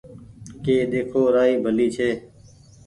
ڪي ۮيکو رآئي ڀلي ڇي